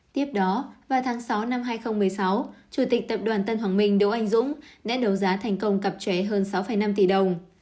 tiếp đó vào tháng sáu năm hai nghìn một mươi sáu chủ tịch tập đoàn tân hoàng minh đỗ anh dũng đã đấu giá thành công cặp trễ hơn sáu năm tỷ đồng